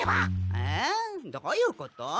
えっどういうこと？